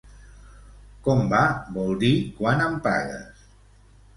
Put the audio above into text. Com va, vol dir quan em pagues.